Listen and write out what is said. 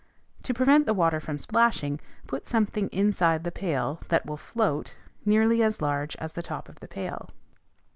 To prevent the water from splashing, put something inside the pail, that will float, nearly as large as the top of the pail.